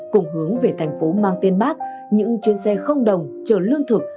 cùng hướng về thành phố mang tên bắc những chuyến xe không đồng chở lương thực